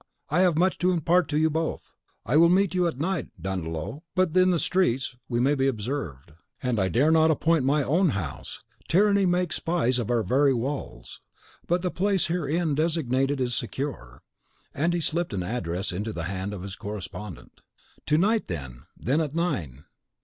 I have much to impart to you both. I will meet you at night, Dandolo. But in the streets we may be observed." "And I dare not appoint my own house; tyranny makes spies of our very walls. But the place herein designated is secure;" and he slipped an address into the hand of his correspondent. "To night, then, at nine!